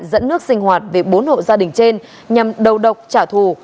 dẫn nước sinh hoạt về bốn hộ gia đình trên nhằm đầu độc trả thù